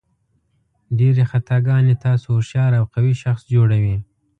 ډېرې خطاګانې تاسو هوښیار او قوي شخص جوړوي.